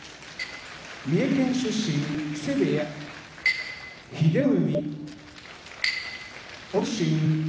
三重県出身木瀬部屋英乃海